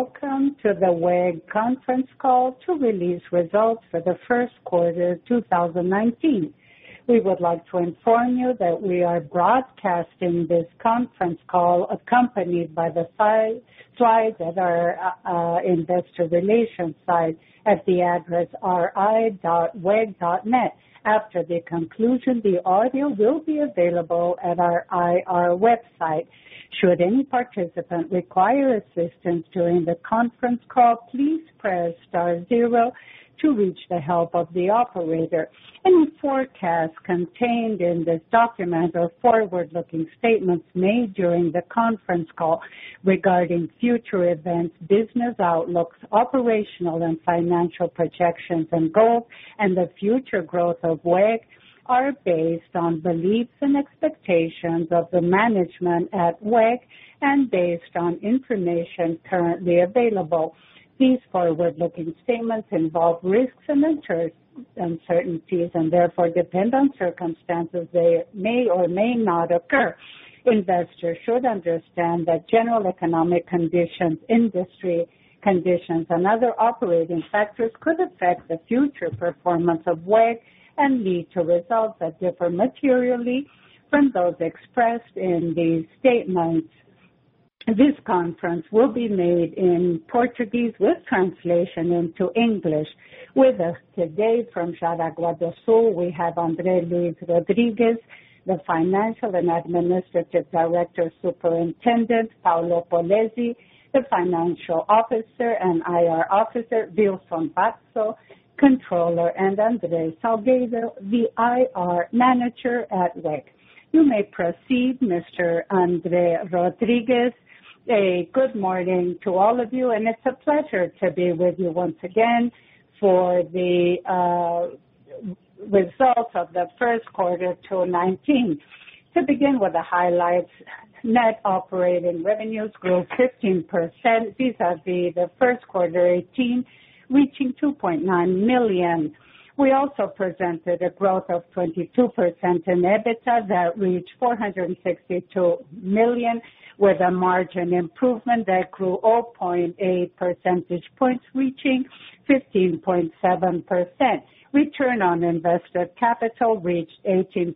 Welcome to the WEG conference call to release results for the first quarter of 2019. We would like to inform you that we are broadcasting this conference call accompanied by the slides at our investor relations site at the address ri.weg.net. After the conclusion, the audio will be available at our IR website. Should any participant require assistance during the conference call, please press star 0 to reach the help of the operator. Any forecasts contained in this document or forward-looking statements made during the conference call regarding future events, business outlooks, operational and financial projections and goals, and the future growth of WEG are based on beliefs and expectations of the management at WEG and based on information currently available. These forward-looking statements involve risks and uncertainties and therefore depend on circumstances they may or may not occur. Investors should understand that general economic conditions, industry conditions, and other operating factors could affect the future performance of WEG and lead to results that differ materially from those expressed in these statements. This conference will be made in Portuguese with translation into English. With us today from Jaraguá do Sul, we have André Luís Rodrigues, the Administrative and Financial Director, superintendent Paulo Polezi, the financial officer and IR Officer, Wilson Bazzo, Controller Officer, and André Salgueiro, the IR Manager at WEG. You may proceed, Mr. André Rodrigues. A good morning to all of you, and it's a pleasure to be with you once again for the results of the first quarter 2019. To begin with the highlights, net operating revenues grew 15%, vis-à-vis the first quarter 2018, reaching [2.9 million]. We also presented a growth of 22% in EBITDA that reached 462 million, with a margin improvement that grew 0.8 percentage points, reaching 15.7%. Return on invested capital reached 18%,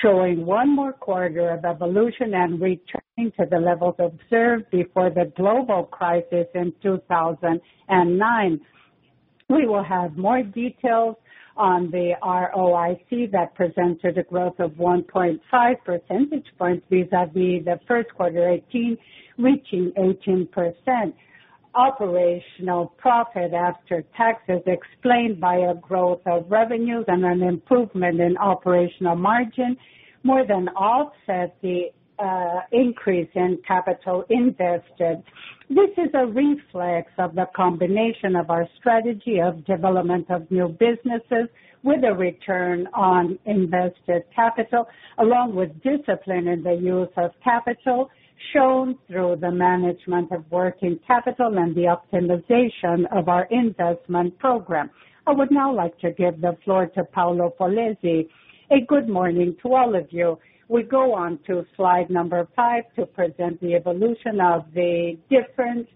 showing one more quarter of evolution and returning to the levels observed before the global crisis in 2009. We will have more details on the ROIC that presented a growth of 1.5 percentage points vis-à-vis the first quarter 2018, reaching 18%. Operational profit after taxes explained by a growth of revenues and an improvement in operational margin more than offset the increase in capital invested. This is a reflex of the combination of our strategy of development of new businesses with a return on invested capital, along with discipline in the use of capital, shown through the management of working capital and the optimization of our investment program. I would now like to give the floor to Paulo Polezi. A good morning to all of you. We go on to slide number five to present the evolution of the different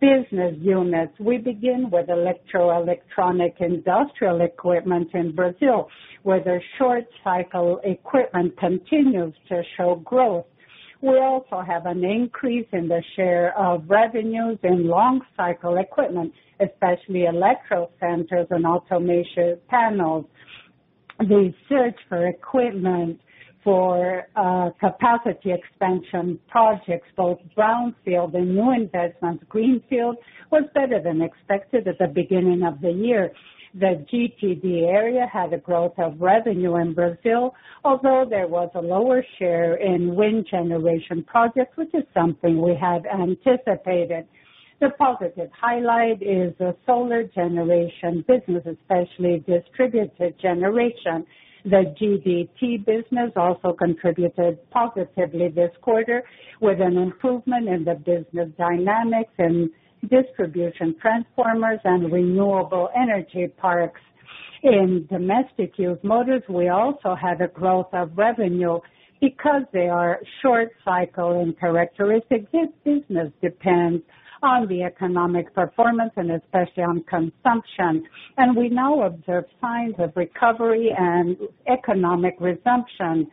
business units. We begin with Industrial Electro-Electronic Equipment in Brazil, where the short-cycle equipment continues to show growth. We also have an increase in the share of revenues in long-cycle equipment, especially electro centers and automation panels. The search for equipment for capacity expansion projects, both brownfield and new investments greenfield, was better than expected at the beginning of the year. The GTD area had a growth of revenue in Brazil, although there was a lower share in wind generation projects, which is something we had anticipated. The positive highlight is the solar generation business, especially distributed generation. The GTD business also contributed positively this quarter with an improvement in the business dynamics and distribution transformers and renewable energy parks. In domestic use motors, we also had a growth of revenue because they are short cycle in characteristic. This business depends on the economic performance and especially on consumption. We now observe signs of recovery and economic resumption.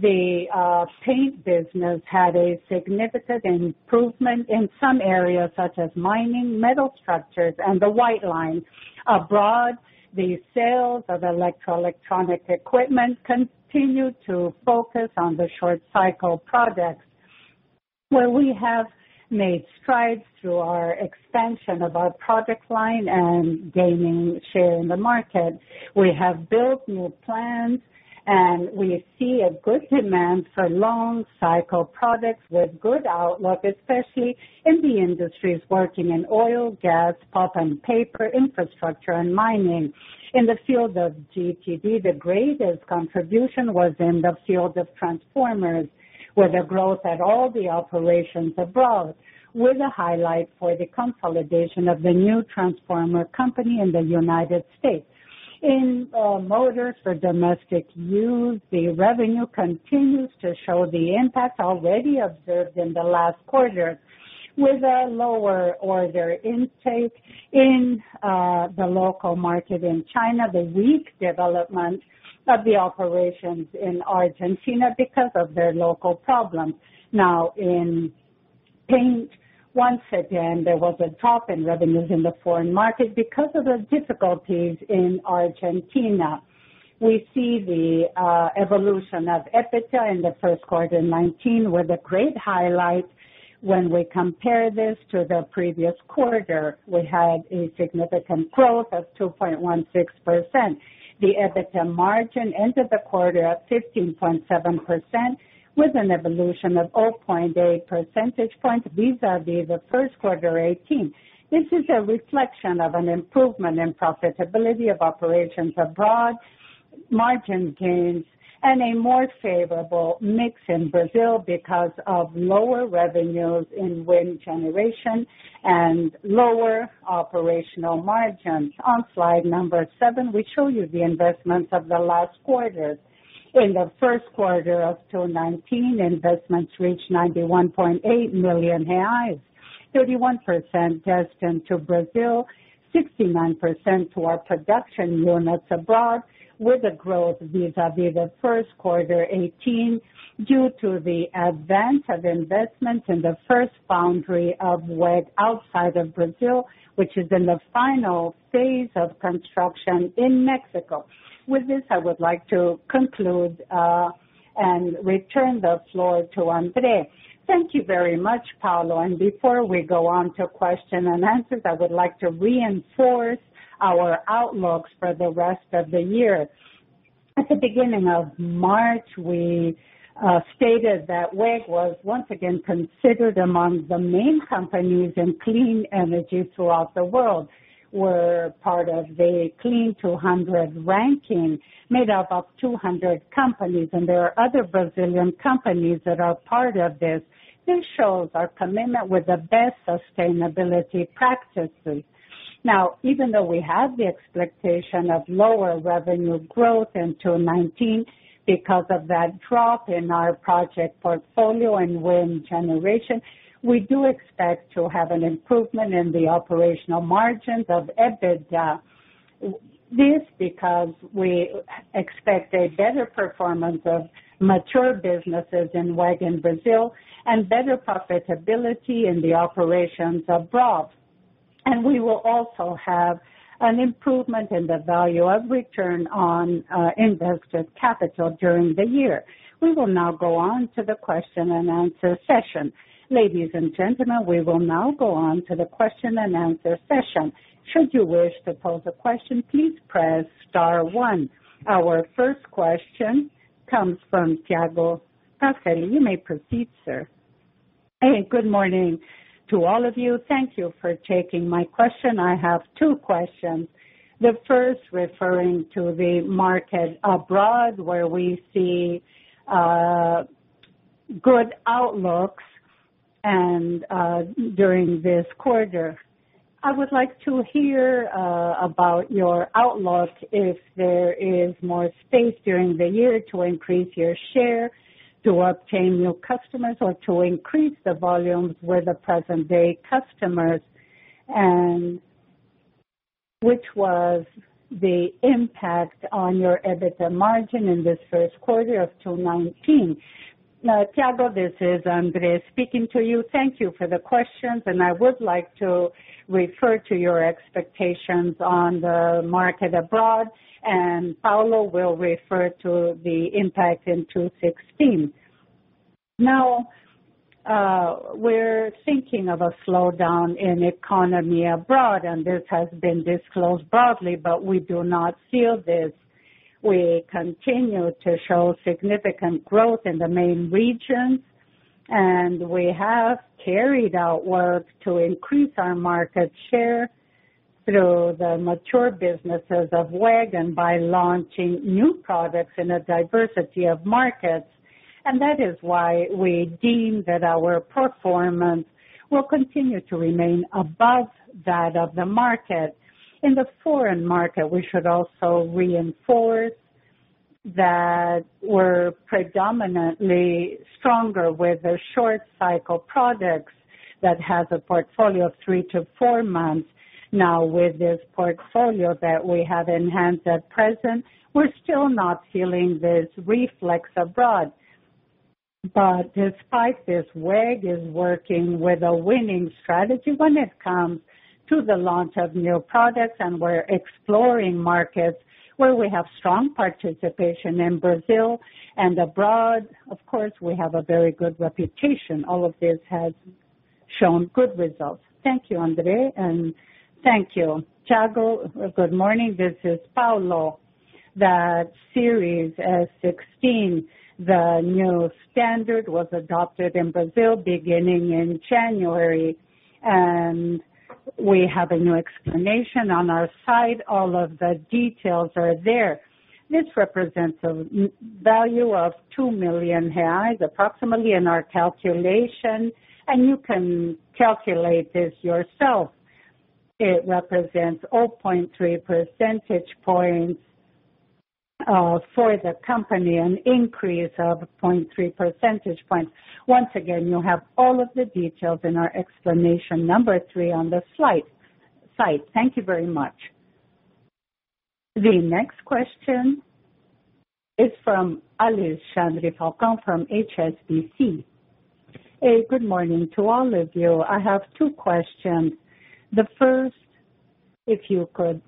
The paint business had a significant improvement in some areas such as mining, metal structures, and the white line. Abroad, the sales of Electro-Electronic Equipment continued to focus on the short-cycle products, where we have made strides through our expansion of our product line and gaining share in the market. We have built new plans. We see a good demand for long-cycle products with good outlook, especially in the industries working in oil, gas, pulp and paper, infrastructure, and mining. In the field of GTD, the greatest contribution was in the field of transformers, where the growth at all the operations abroad, with a highlight for the consolidation of the new transformer company in the U.S. In motors for domestic use, the revenue continues to show the impact already observed in the last quarter, with a lower order intake in the local market in China, the weak development of the operations in Argentina because of their local problems. In paint, once again, there was a drop in revenues in the foreign market because of the difficulties in Argentina. We see the evolution of EBITDA in the first quarter 2019 with a great highlight when we compare this to the previous quarter. We had a significant growth of 2.16%. The EBITDA margin ended the quarter at 15.7%, with an evolution of 0.8 percentage points vis-à-vis the first quarter 2018. This is a reflection of an improvement in profitability of operations abroad, margin gains, and a more favorable mix in Brazil because of lower revenues in wind generation and lower operational margins. On slide number seven, we show you the investments of the last quarter. In the first quarter of 2019, investments reached 91.8 million reais, 31% destined to Brazil, 69% to our production units abroad, with a growth vis-à-vis the first quarter 2018 due to the advance of investments in the first foundry of WEG outside of Brazil, which is in the final phase of construction in Mexico. With this, I would like to conclude and return the floor to André. Thank you very much, Paulo, and before we go on to question and answers, I would like to reinforce our outlooks for the rest of the year. At the beginning of March, we stated that WEG was once again considered among the main companies in clean energy throughout the world. We're part of the Clean200 ranking, made up of 200 companies. There are other Brazilian companies that are part of this. This shows our commitment with the best sustainability practices. Even though we have the expectation of lower revenue growth in 2019 because of that drop in our project portfolio and wind generation, we do expect to have an improvement in the operational margins of EBITDA. We expect a better performance of mature businesses in WEG in Brazil and better profitability in the operations abroad. We will also have an improvement in the value of return on invested capital during the year. We will now go on to the question and answer session. Ladies and gentlemen, we will now go on to the question-and-answer session. Our first question comes from Tiago. Tiago, you may proceed, sir. Good morning to all of you. Thank you for taking my question. I have two questions. The first referring to the market abroad where we see good outlooks and during this quarter. I would like to hear about your outlook if there is more space during the year to increase your share to obtain new customers or to increase the volumes with the present-day customers, which was the impact on your EBITDA margin in this first quarter of 2019. Tiago, this is André speaking to you. Thank you for the questions, and I would like to refer to your expectations on the market abroad, and Paulo will refer to the impact in 2016. We're thinking of a slowdown in economy abroad, and this has been disclosed broadly, but we do not feel this. We continue to show significant growth in the main regions, and we have carried out work to increase our market share through the mature businesses of WEG and by launching new products in a diversity of markets. That is why we deem that our performance will continue to remain above that of the market. In the foreign market, we should also reinforce that we're predominantly stronger with the short cycle products that has a portfolio of three to four months. With this portfolio that we have enhanced at present, we're still not feeling this reflex abroad. Despite this, WEG is working with a winning strategy when it comes to the launch of new products, and we're exploring markets where we have strong participation in Brazil and abroad. Of course, we have a very good reputation. All of this has shown good results. Thank you, André, and thank you. Tiago, good morning. This is Paulo. The [series S16], the new standard was adopted in Brazil beginning in January, and we have a new explanation on our site. All of the details are there. This represents a value of 2 million reais approximately in our calculation, and you can calculate this yourself. It represents 0.3 percentage points for the company, an increase of 0.3 percentage points. Once again, you have all of the details in our explanation number three on the site. Thank you very much. The next question is from Alice Chandri-Falcão from HSBC. Good morning to all of you. I have two questions. The first, if you could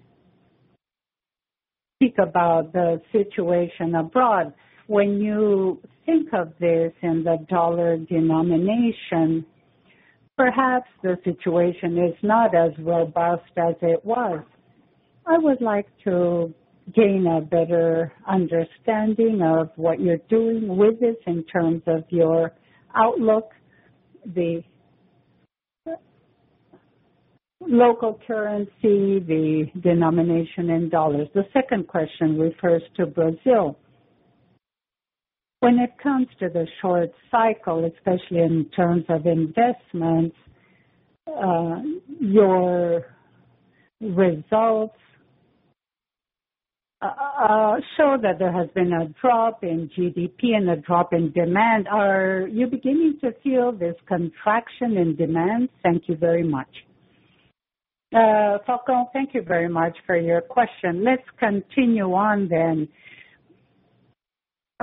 speak about the situation abroad. When you think of this in the USD denomination, perhaps the situation is not as robust as it was. I would like to gain a better understanding of what you're doing with this in terms of your outlook, the local currency, the denomination in USD. The second question refers to Brazil. When it comes to the short cycle, especially in terms of investments, your results show that there has been a drop in GDP and a drop in demand. Are you beginning to feel this contraction in demand? Thank you very much. Falcão, thank you very much for your question. Let's continue on.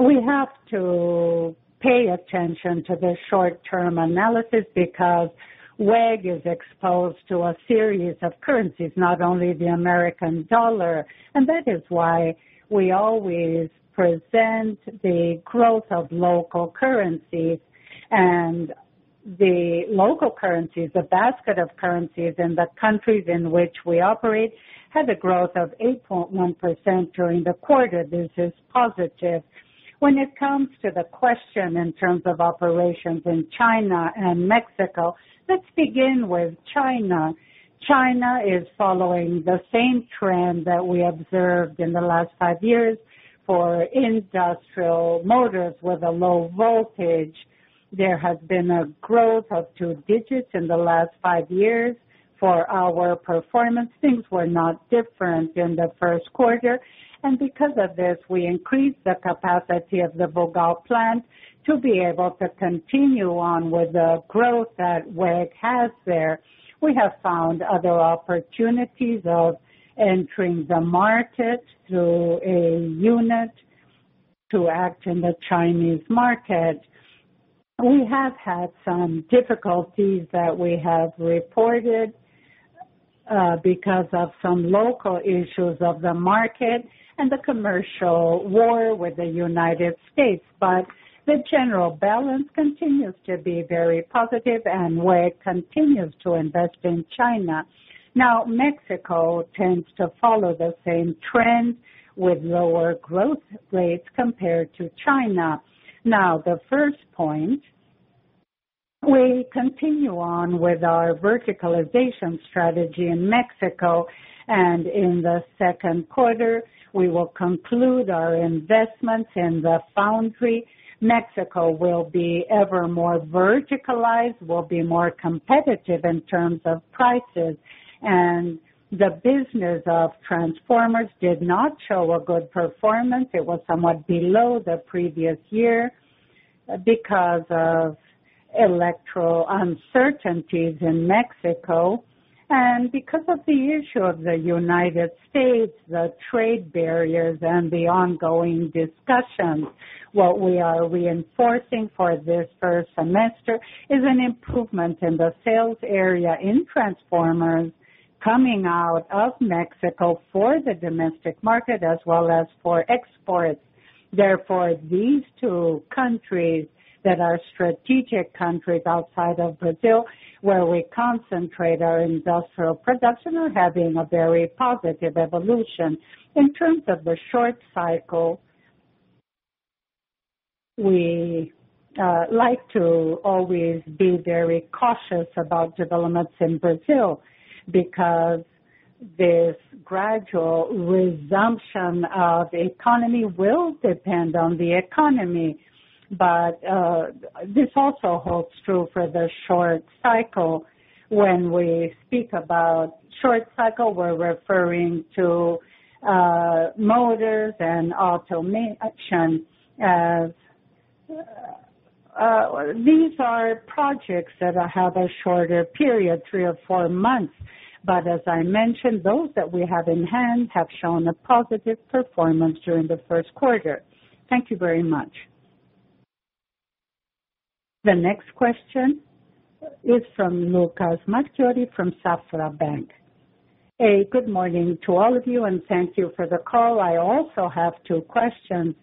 We have to pay attention to the short-term analysis because WEG is exposed to a series of currencies, not only the U.S. dollar, That is why we always present the growth of local currencies. The local currencies, the basket of currencies in the countries in which we operate, had a growth of 8.1% during the quarter. This is positive. When it comes to the question in terms of operations in China and Mexico, let's begin with China. China is following the same trend that we observed in the last five years for industrial motors with a low voltage. There has been a growth of two digits in the last five years for our performance. Things were not different in the first quarter. Because of this, we increased the capacity of the Vogal plant to be able to continue on with the growth that WEG has there. We have found other opportunities of entering the market through a unit to act in the Chinese market. We have had some difficulties that we have reported because of some local issues of the market and the commercial war with the U.S. The general balance continues to be very positive and WEG continues to invest in China. Mexico tends to follow the same trend with lower growth rates compared to China. The first point, we continue on with our verticalization strategy in Mexico, and in the second quarter, we will conclude our investments in the foundry. Mexico will be ever more verticalized, will be more competitive in terms of prices, and the business of transformers did not show a good performance. It was somewhat below the previous year because of electoral uncertainties in Mexico and because of the issue of the U.S., the trade barriers, and the ongoing discussions. What we are reinforcing for this first semester is an improvement in the sales area in transformers coming out of Mexico for the domestic market as well as for exports. These two countries that are strategic countries outside of Brazil, where we concentrate our industrial production, are having a very positive evolution. In terms of the short cycle, we like to always be very cautious about developments in Brazil because this gradual resumption of the economy will depend on the economy. This also holds true for the short cycle. When we speak about short cycle, we're referring to motors and automation, as these are projects that have a shorter period, three or four months. As I mentioned, those that we have in hand have shown a positive performance during the first quarter. Thank you very much. The next question is from Lucas Marquiori from Banco Safra. Good morning to all of you, Thank you for the call. I also have two questions.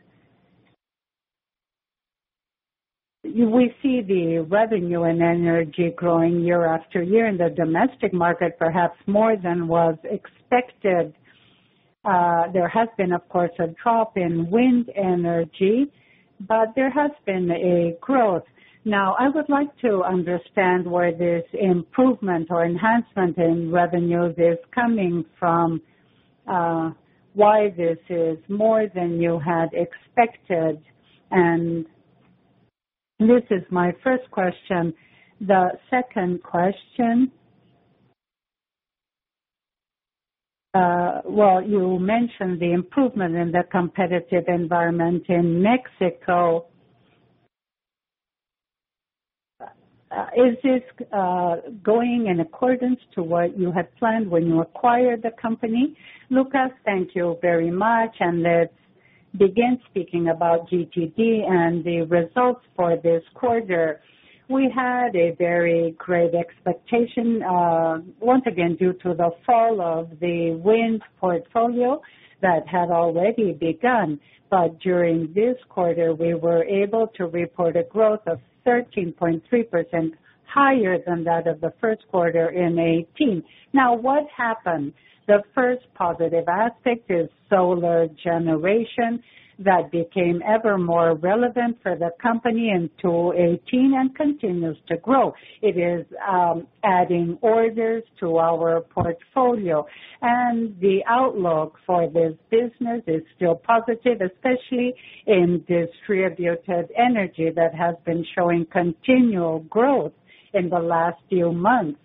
We see the revenue and energy growing year-over-year in the domestic market, perhaps more than was expected. There has been, of course, a drop in wind energy. There has been a growth. I would like to understand where this improvement or enhancement in revenue is coming from, why this is more than you had expected, and this is my first question. The second question, you mentioned the improvement in the competitive environment in Mexico. Is this going in accordance to what you had planned when you acquired the company? Lucas, thank you very much. Let's begin speaking about GTD and the results for this quarter. We had a very great expectation, once again, due to the fall of the wind portfolio that had already begun. During this quarter, we were able to report a growth of 13.3%, higher than that of the first quarter in 2018. What happened? The first positive aspect is solar generation, that became ever more relevant for the company in 2018 and continues to grow. It is adding orders to our portfolio. The outlook for this business is still positive, especially in distributed energy, that has been showing continual growth in the last few months.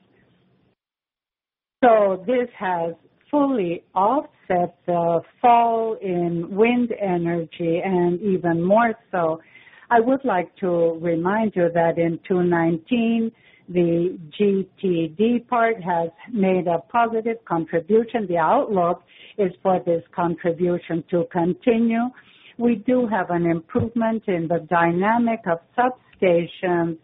This has fully offset the fall in wind energy, and even more so. I would like to remind you that in 2019, the GTD part has made a positive contribution. The outlook is for this contribution to continue. We do have an improvement in the dynamic of substations,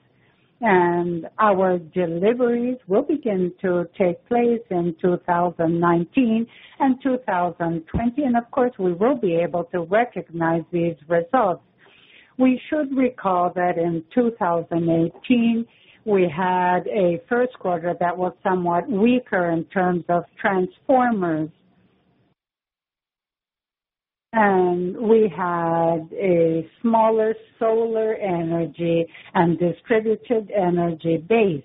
and our deliveries will begin to take place in 2019 and 2020. Of course, we will be able to recognize these results. We should recall that in 2018, we had a first quarter that was somewhat weaker in terms of transformers. We had a smaller solar energy and distributed energy base.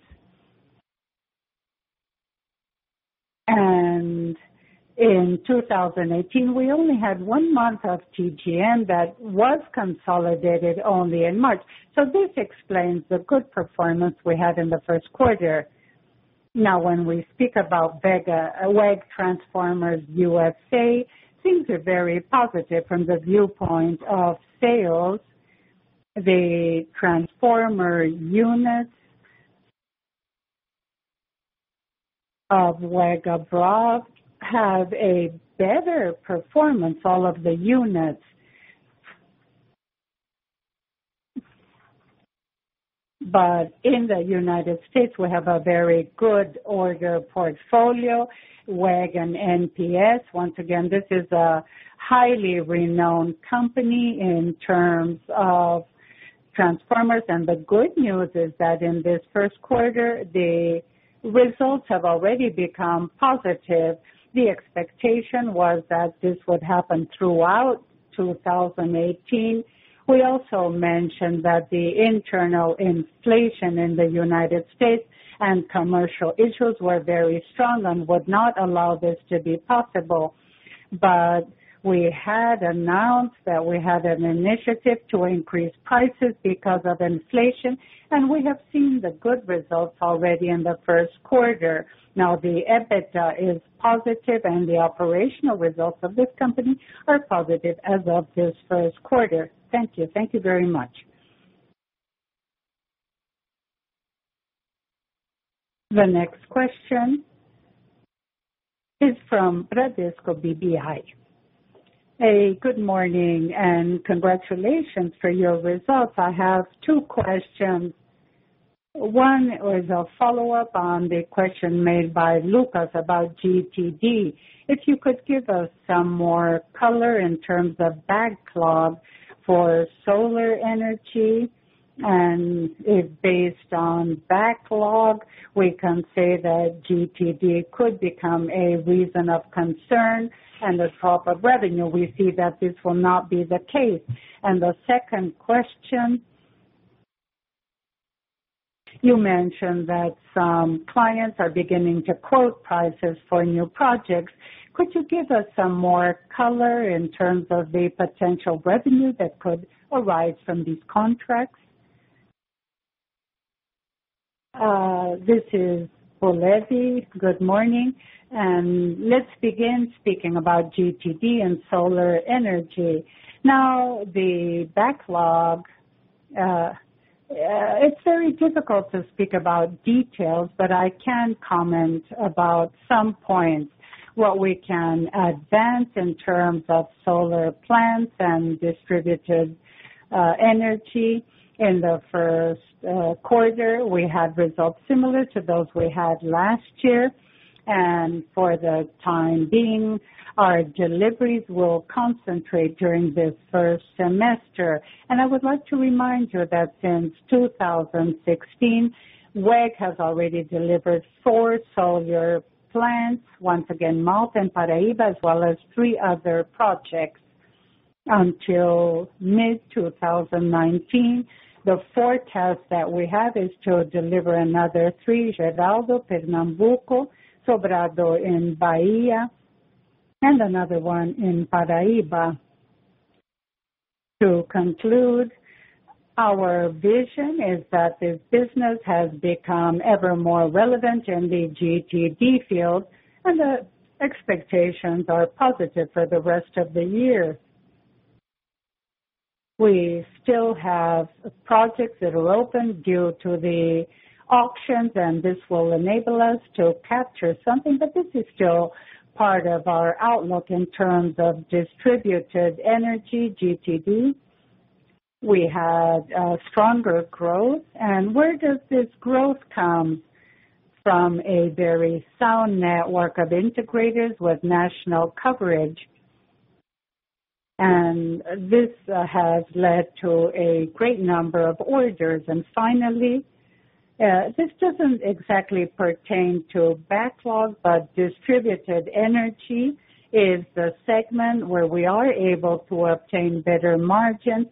In 2018, we only had one month of TGM that was consolidated only in March. This explains the good performance we had in the first quarter. When we speak about WEG Transformers USA, things are very positive from the viewpoint of sales. The transformer units of WEG abroad have a better performance, all of the units. In the United States, we have a very good order portfolio. WEG and NPS, once again, this is a highly renowned company in terms of transformers. The good news is that in this first quarter, the results have already become positive. The expectation was that this would happen throughout 2018. We also mentioned that the internal inflation in the United States and commercial issues were very strong and would not allow this to be possible. We had announced that we had an initiative to increase prices because of inflation, and we have seen the good results already in the first quarter. The EBITDA is positive, and the operational results of this company are positive as of this first quarter. Thank you. Thank you very much. The next question is from Bradesco BBI. A good morning and congratulations for your results. I have two questions. One is a follow-up on the question made by Lucas about GTD. If you could give us some more color in terms of backlog for solar energy, and if based on backlog, we can say that GTD could become a reason of concern. In the top of revenue, we see that this will not be the case. The second question, you mentioned that some clients are beginning to quote prices for new projects. Could you give us some more color in terms of the potential revenue that could arise from these contracts? This is Boletti. Good morning. Let's begin speaking about GTD and solar energy. The backlog, it's very difficult to speak about details, but I can comment about some points. What we can advance in terms of solar plants and distributed energy. In the first quarter, we had results similar to those we had last year. For the time being, our deliveries will concentrate during this first semester. I would like to remind you that since 2016, WEG has already delivered four solar plants, once again, Malta and Paraíba, as well as three other projects. Until mid-2019, the forecast that we have is to deliver another three: Esmeralda, Pernambuco, Sobrado in Bahia, and another one in Paraíba. To conclude, our vision is that this business has become ever more relevant in the GTD field, and the expectations are positive for the rest of the year. We still have projects that will open due to the auctions, and this will enable us to capture something. This is still part of our outlook in terms of distributed energy, GTD. We had a stronger growth. Where does this growth come from? A very sound network of integrators with national coverage, this has led to a great number of orders. Finally, this doesn't exactly pertain to backlog, distributed energy is the segment where we are able to obtain better margins,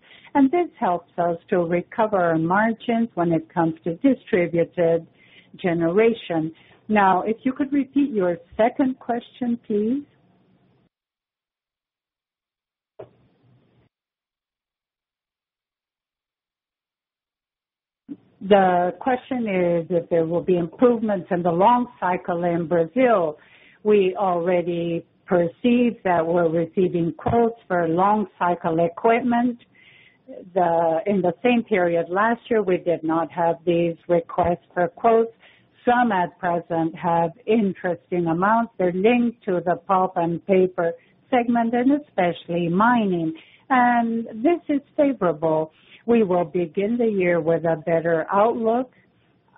this helps us to recover our margins when it comes to distributed generation. If you could repeat your second question, please. The question is if there will be improvements in the long cycle in Brazil. We already perceive that we're receiving quotes for long-cycle equipment. In the same period last year, we did not have these requests for quotes. Some at present have interesting amounts. They're linked to the pulp and paper segment, especially mining. This is favorable. We will begin the year with a better outlook.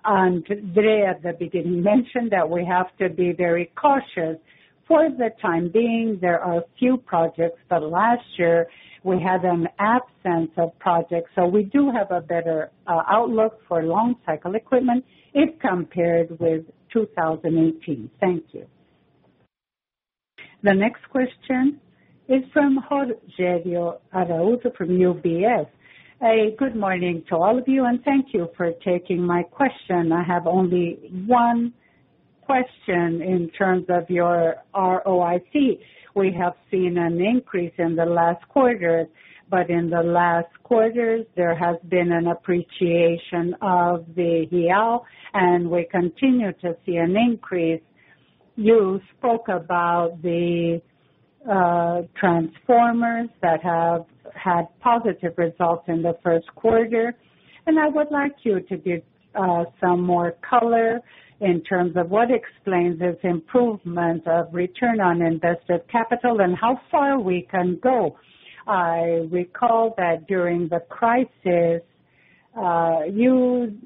Today at the beginning, mentioned that we have to be very cautious. For the time being, there are few projects, last year we had an absence of projects. We do have a better outlook for long-cycle equipment if compared with 2018. Thank you. The next question is from Rogério Araújo from UBS. Good morning to all of you, thank you for taking my question. I have only one question in terms of your ROIC. We have seen an increase in the last quarter, in the last quarters, there has been an appreciation of the real, we continue to see an increase. You spoke about the transformers that have had positive results in the first quarter, I would like you to give some more color in terms of what explains this improvement of return on invested capital and how far we can go. I recall that during the crisis, you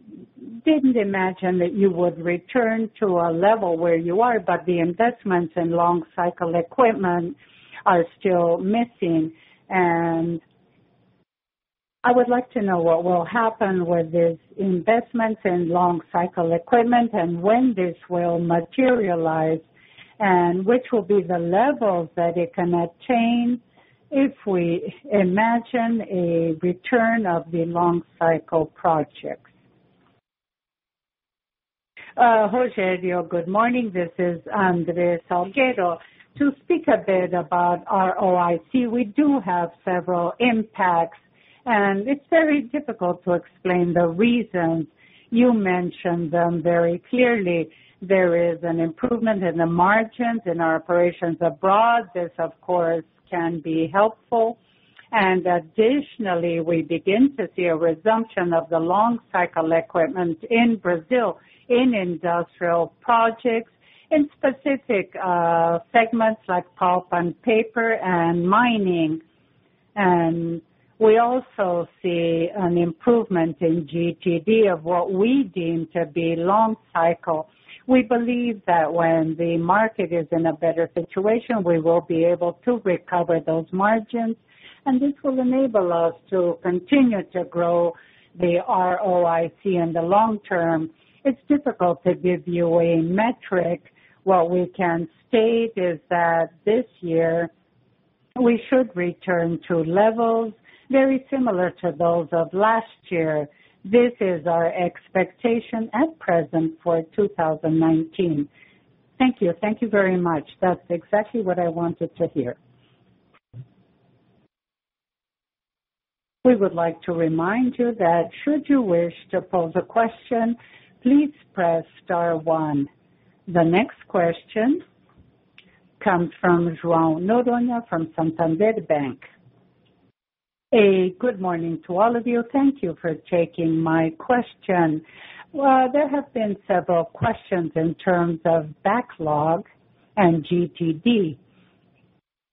didn't imagine that you would return to a level where you are, the investments in long-cycle equipment are still missing. I would like to know what will happen with these investments in long-cycle equipment and when this will materialize, and which will be the levels that it can attain if we imagine a return of the long-cycle projects. Rogério, good morning. This is André Salgado. To speak a bit about ROIC, we do have several impacts, it's very difficult to explain the reasons. You mentioned them very clearly. There is an improvement in the margins in our operations abroad. This, of course, can be helpful. Additionally, we begin to see a resumption of the long-cycle equipment in Brazil in industrial projects, in specific segments like pulp and paper and mining. We also see an improvement in GTD of what we deem to be long cycle. We believe that when the market is in a better situation, we will be able to recover those margins, and this will enable us to continue to grow the ROIC in the long term. It's difficult to give you a metric. What we can state is that this year we should return to levels very similar to those of last year. This is our expectation at present for 2019. Thank you. Thank you very much. That's exactly what I wanted to hear. The next question comes from João Noronha from Santander Bank. Good morning to all of you. Thank you for taking my question. There have been several questions in terms of backlog and GTD.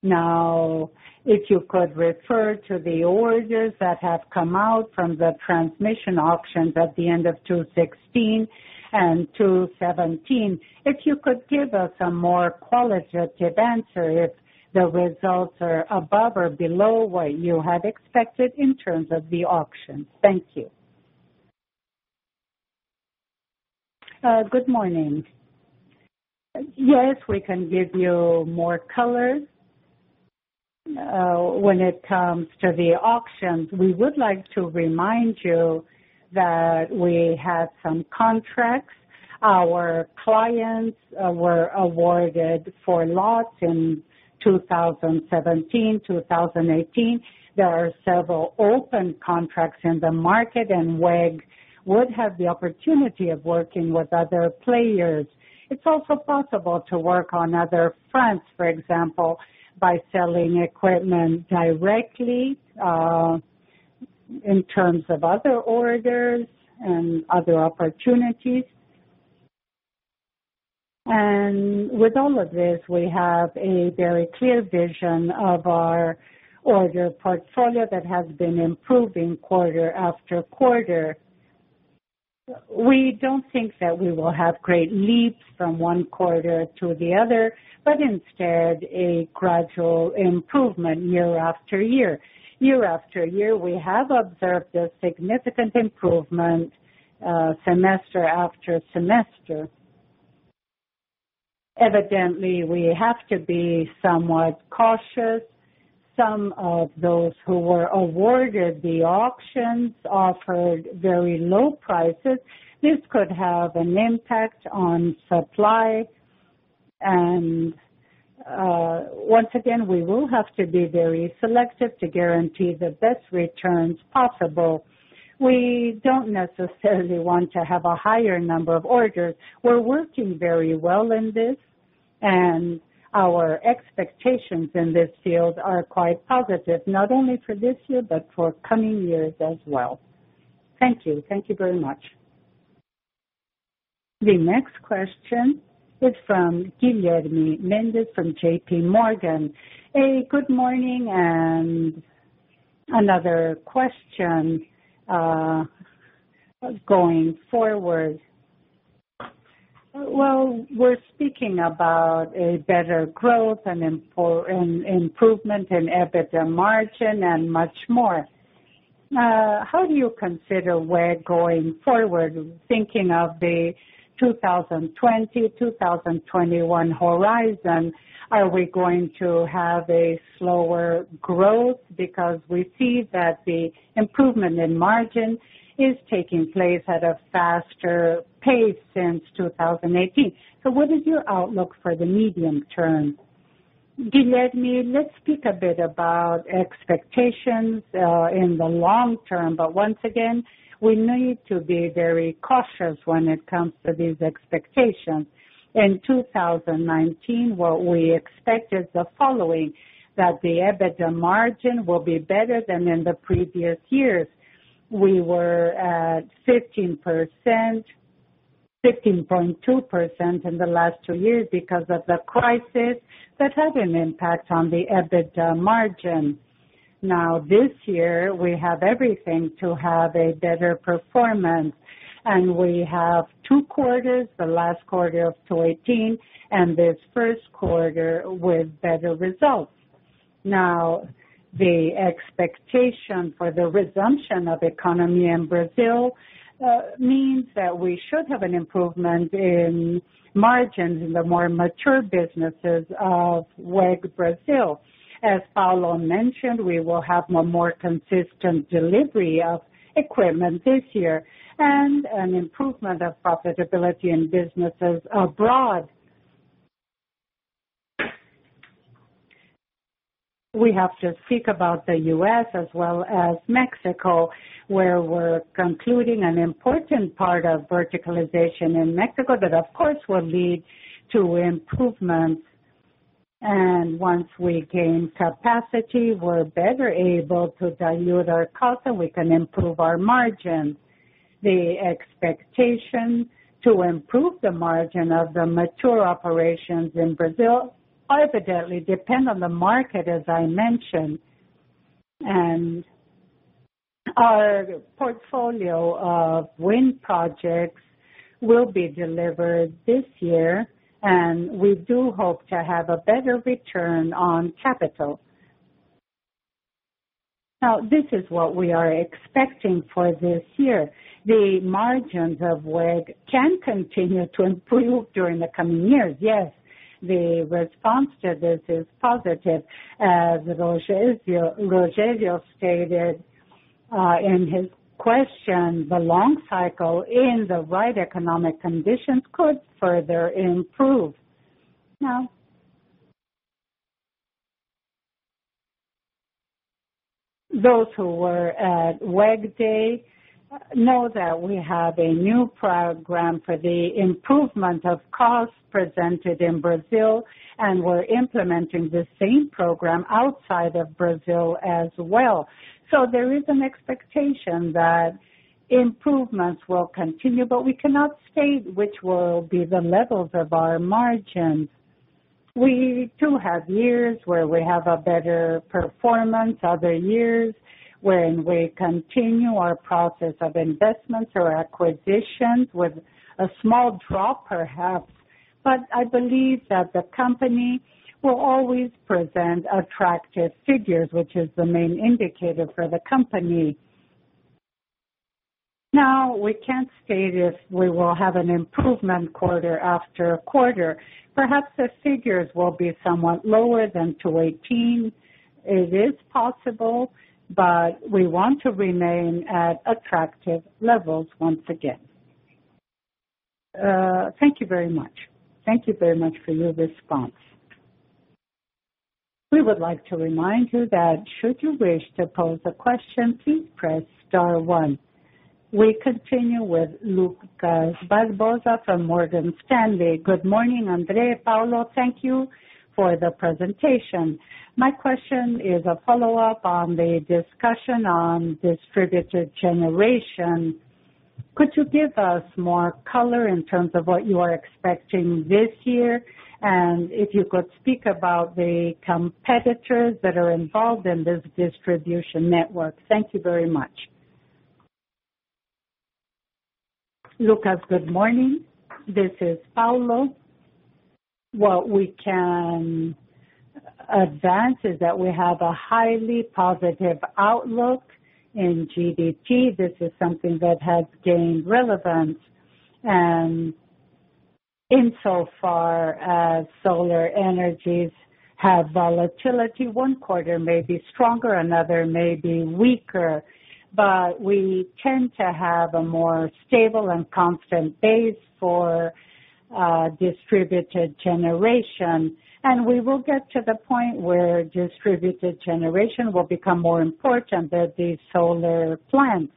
If you could refer to the orders that have come out from the transmission auctions at the end of 2016 and 2017, if you could give us a more qualitative answer if the results are above or below what you had expected in terms of the auction. Thank you. Good morning. Yes, we can give you more color. When it comes to the auctions, we would like to remind you that we had some contracts. Our clients were awarded 4 lots in 2017, 2018. There are several open contracts in the market, and WEG would have the opportunity of working with other players. It's also possible to work on other fronts, for example, by selling equipment directly, in terms of other orders and other opportunities. With all of this, we have a very clear vision of our order portfolio that has been improving quarter after quarter. We don't think that we will have great leaps from 1 quarter to the other, but instead a gradual improvement year after year. Year after year, we have observed a significant improvement semester after semester. Evidently, we have to be somewhat cautious. Some of those who were awarded the auctions offered very low prices. This could have an impact on supply. Once again, we will have to be very selective to guarantee the best returns possible. We don't necessarily want to have a higher number of orders. We're working very well in this, and our expectations in this field are quite positive, not only for this year, but for coming years as well. Thank you. Thank you very much. The next question is from Guilherme Mendes from J.P. Morgan. Good morning, another question going forward. We're speaking about a better growth, an improvement in EBITDA margin, much more. How do you consider WEG going forward, thinking of the 2020-2021 horizon? Are we going to have a slower growth because we see that the improvement in margin is taking place at a faster pace since 2018? What is your outlook for the medium term? Guilherme, let's speak a bit about expectations in the long term. Once again, we need to be very cautious when it comes to these expectations. In 2019, what we expect is the following, that the EBITDA margin will be better than in the previous years. We were at 15%, 15.2% in the last 2 years because of the crisis that had an impact on the EBITDA margin. This year, we have everything to have a better performance. We have two quarters, the last quarter of 2018 and this first quarter, with better results. The expectation for the resumption of economy in Brazil means that we should have an improvement in margins in the more mature businesses of WEG. As Paulo mentioned, we will have a more consistent delivery of equipment this year and an improvement of profitability in businesses abroad. We have to speak about the U.S. as well as Mexico, where we're concluding an important part of verticalization in Mexico that, of course, will lead to improvements. Once we gain capacity, we're better able to dilute our costs, and we can improve our margins. The expectation to improve the margin of the mature operations in Brazil evidently depend on the market, as I mentioned. Our portfolio of wind projects will be delivered this year, and we do hope to have a better return on capital. This is what we are expecting for this year. The margins of WEG can continue to improve during the coming years. Yes, the response to this is positive. As Rogério stated in his question, the long cycle in the right economic conditions could further improve. Those who were at WEG Day know that we have a new program for the improvement of costs presented in Brazil, and we're implementing the same program outside of Brazil as well. There is an expectation that improvements will continue, but we cannot state which will be the levels of our margins. We do have years where we have a better performance, other years when we continue our process of investments or acquisitions with a small drop, perhaps. But I believe that the company will always present attractive figures, which is the main indicator for the company. We can't state if we will have an improvement quarter after quarter. Perhaps the figures will be somewhat lower than 2018. It is possible, but we want to remain at attractive levels once again. Thank you very much. Thank you very much for your response. We continue with Lucas Barbosa from Morgan Stanley. Good morning, André, Paulo. Thank you for the presentation. My question is a follow-up on the discussion on distributed generation. Could you give us more color in terms of what you are expecting this year? If you could speak about the competitors that are involved in this distribution network. Thank you very much. Lucas, good morning. This is Paulo. What we can advance is that we have a highly positive outlook in GDP. This is something that has gained relevance, and insofar as solar energies have volatility, one quarter may be stronger, another may be weaker. We tend to have a more stable and constant base for distributed generation. We will get to the point where distributed generation will become more important than the solar plants.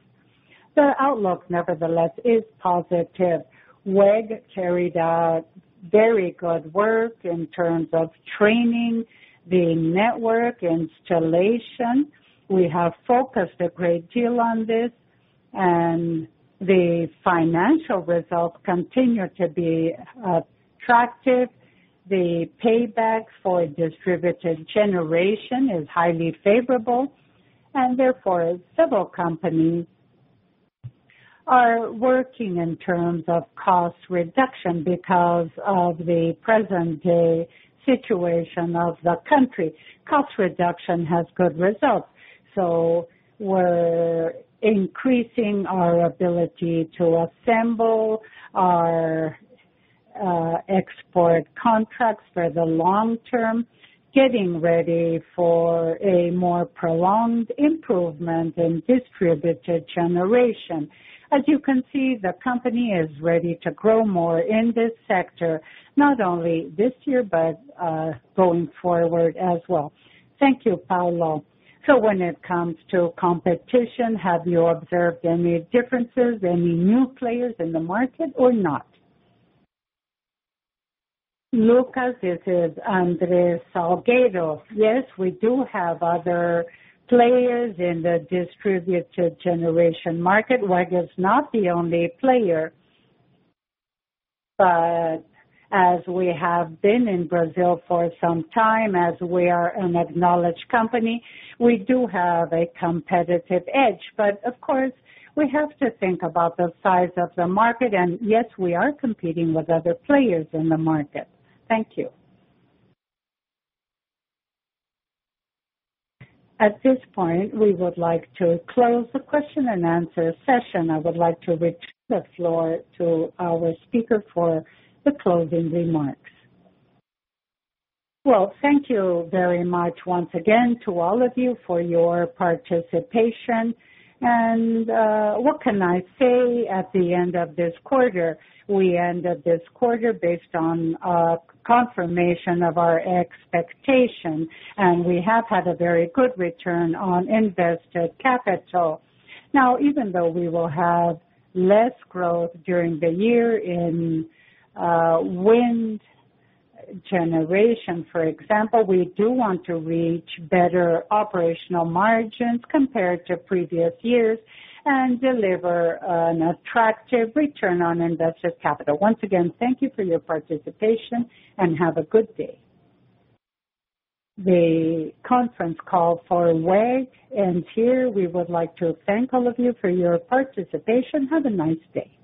The outlook, nevertheless, is positive. WEG carried out very good work in terms of training, the network installation. We have focused a great deal on this, and the financial results continue to be attractive. The payback for distributed generation is highly favorable. Therefore, several companies are working in terms of cost reduction because of the present-day situation of the country. Cost reduction has good results. We're increasing our ability to assemble our export contracts for the long term, getting ready for a more prolonged improvement in distributed generation. As you can see, the company is ready to grow more in this sector, not only this year, but going forward as well. Thank you, Paulo. When it comes to competition, have you observed any differences, any new players in the market or not? Lucas, this is André Salgueiro. Yes, we do have other players in the distributed generation market. WEG is not the only player. But as we have been in Brazil for some time, as we are an acknowledged company, we do have a competitive edge. Of course, we have to think about the size of the market. Yes, we are competing with other players in the market. Thank you. At this point, we would like to close the question-and-answer session. I would like to return the floor to our speaker for the closing remarks. Thank you very much once again to all of you for your participation. What can I say at the end of this quarter? We end up this quarter based on a confirmation of our expectation, and we have had a very good return on invested capital. Even though we will have less growth during the year in wind generation, for example, we do want to reach better operational margins compared to previous years and deliver an attractive return on invested capital. Once again, thank you for your participation, and have a good day. The conference call for WEG ends here. We would like to thank all of you for your participation. Have a nice day.